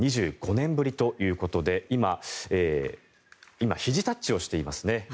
２５年ぶりということで今、ひじタッチをしていますね。